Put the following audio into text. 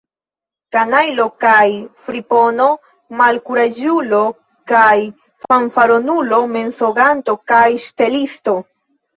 Kanajlo kaj fripono, malkuraĝulo kaj fanfaronulo, mensoganto kaj ŝtelisto!